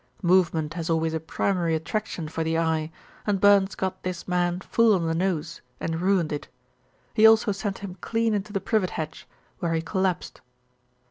Movement has always a primary attraction for the eye, and Burns got this man full on the nose and ruined it. He also sent him clean into the privet hedge, where he collapsed."